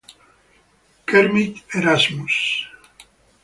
Kermit Erasmus